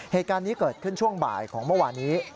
เหตุการณ์นี้เกิดขึ้นช่วงบ่ายของเมื่อวานนี้